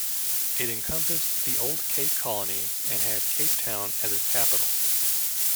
It encompassed the old Cape Colony, and had Cape Town as its capital.